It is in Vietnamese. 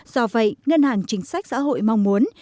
do vậy ngân hàng chính sách xã hội mong muốn